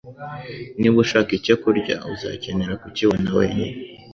Niba ushaka icyo kurya, uzakenera kukibona wenyine.